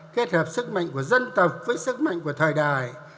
kết hợp sức mạnh của dân tộc với sức mạnh của thời đại